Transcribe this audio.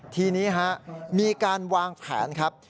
ทีนี้มีการวางแผนครับ